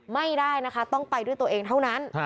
ไม่ได้นะคะต้องไปด้วยตัวเองเท่านั้น